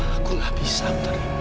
aku gak bisa utari